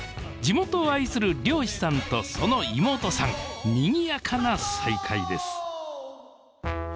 地元を愛する漁師さんとその妹さんにぎやかな再会です